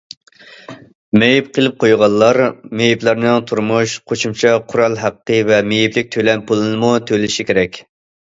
مېيىپ قىلىپ قويغانلار مېيىپلەرنىڭ تۇرمۇش قوشۇمچە قورال ھەققى ۋە مېيىپلىك تۆلەم پۇلىنىمۇ تۆلىشى كېرەك.